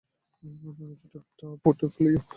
ছোট একটা পোর্টফোলিও।